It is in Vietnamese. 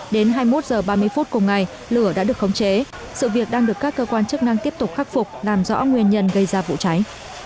đến hai mươi một h ba mươi phút cùng ngày lửa đã được khống chế sự việc đang được các cơ quan chức năng tiếp tục khắc phục làm rõ nguyên nhân gây ra vụ cháy